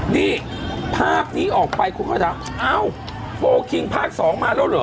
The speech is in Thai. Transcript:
นี่ภาพนี้ออกไปคนก็ถามเอ้าโฟลคิงภาคสองมาแล้วเหรอ